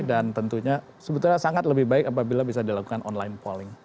dan tentunya sebetulnya sangat lebih baik apabila bisa dilakukan online polling